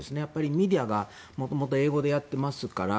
メディアが元々英語でやっていますから。